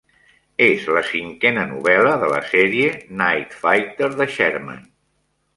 És la cinquena novel·la de la sèrie Night Fighter de Sherman.